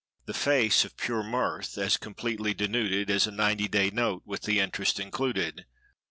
The face, of pure mirth, as completely denuded As a ninety day note with the interest included.